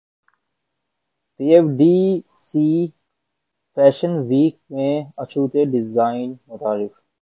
پی F D C fashion week میں اچھوتے design متعارف